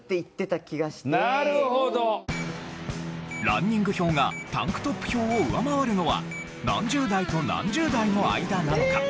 ランニング票がタンクトップ票を上回るのは何十代と何十代の間なのか？